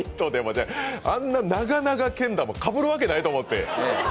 あんな長々けん玉かぶるわけない！と思って。